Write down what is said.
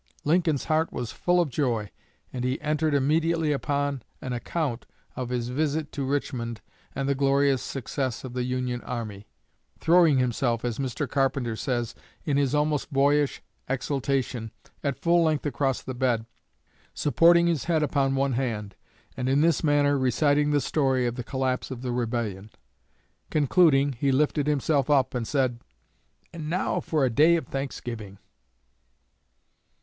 Lincoln's heart was full of joy, and he entered immediately upon an account of his visit to Richmond and the glorious successes of the Union army; "throwing himself," as Mr. Carpenter says, "in his almost boyish exultation, at full length across the bed, supporting his head upon one hand, and in this manner reciting the story of the collapse of the Rebellion. Concluding, he lifted himself up and said, 'And now for a day of Thanksgiving!'"